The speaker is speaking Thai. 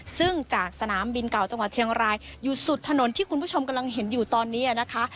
ซึ่งจากสนามบินเก่าจังหวัดเชียงรายอยู่สุดถนนที่คุณผู้ชมกำลังเห็นอยู่ตอนนี้นะคะ